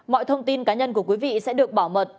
mọi thông tin cá nhân của quý vị sẽ được bảo mật